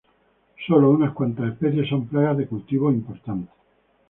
Sólo unas cuantas especies son plagas de cultivos importantes.